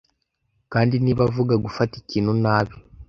kandi niba avuga gufata ikintu nabi